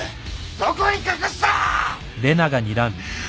どこに隠した！？